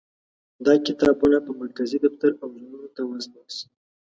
دا کتابونه به مرکزي دفتر او زونونو ته واستول شي.